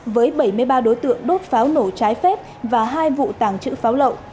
với bảy mươi ba đối tượng đốt pháo nổ trái phép và hai vụ tàng trữ pháo lậu